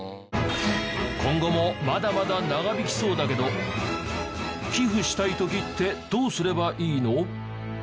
今後もまだまだ長引きそうだけど寄付したい時ってどうすればいいの？